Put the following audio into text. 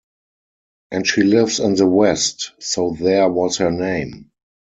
And she lives in the West, so there was her name.